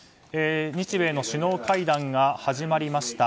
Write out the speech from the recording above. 日米の首脳会談が始まりました。